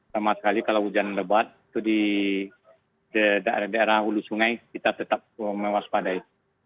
sama sekali kalau hujan lebat di daerah ulu sungai kita tetap mewaspadai